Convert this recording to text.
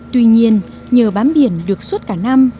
tuy nhiên nhờ bám biển được suốt cả năm